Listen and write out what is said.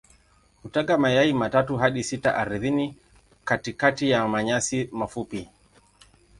Hutaga mayai matatu hadi sita ardhini katikati ya manyasi mafupi.